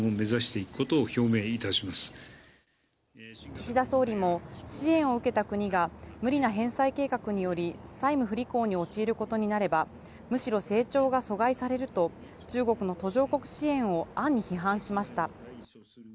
岸田総理も支援を受けた国が無理な返済計画により債務不履行に陥ることになれば、むしろ成長が阻害されると中国の途上国支援を暗に批判しました。